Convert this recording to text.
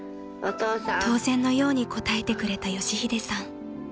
［当然のように答えてくれた佳秀さん］